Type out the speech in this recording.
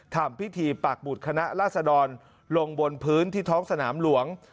ทำพิธีปากบุตรคณะราษดรลงบนพื้นที่ท้องสนามหลวง